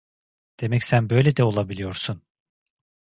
Demek sen böyle de olabiliyorsun?